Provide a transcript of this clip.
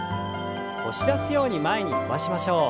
押し出すように前に伸ばしましょう。